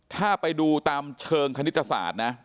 ถ้าไปดูตามเชิงคณิตศาสตร์นะ